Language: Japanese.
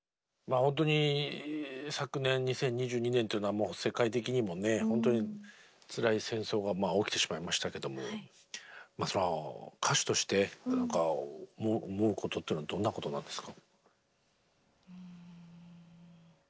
本当に昨年２０２２年というのは世界的にもねほんとにつらい戦争が起きてしまいましたけども歌手として思うことっていうのはどんなことなんですか？